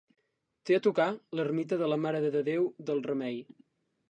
Té a tocar l'ermita de la Mare de Déu del Remei.